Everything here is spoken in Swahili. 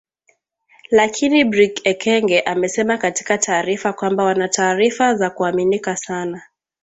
Lakini Brig Ekenge amesema katika taarifa kwamba wana taarifa za kuaminika sana